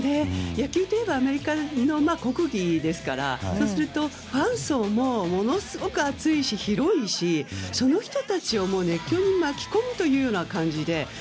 野球といえばアメリカの国技ですからそうすると、ファン層もものすごく厚いし広いしその人たちを熱狂に巻き込むというような感じで。